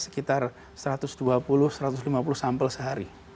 sekitar satu ratus dua puluh satu ratus lima puluh sampel sehari